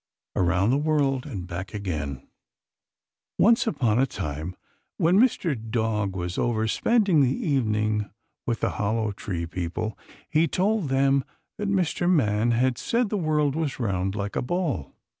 AROUND THE WORLD AND BACK AGAIN Once upon a time, when Mr. Dog was over spending the evening with the Hollow Tree people, he told them that Mr. Man had said the world was round, like a ball.